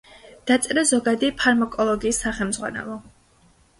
დაწერა ზოგადი ფარმაკოლოგიის სახელმძღვანელო.